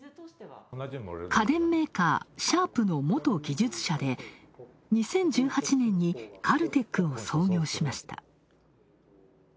家電メーカー・シャープの元技術者で２０１８年にカルテックを創業しました。